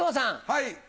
はい。